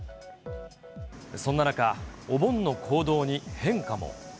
そんな中、お盆の行動に変化も。